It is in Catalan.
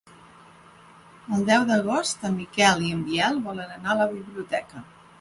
El deu d'agost en Miquel i en Biel volen anar a la biblioteca.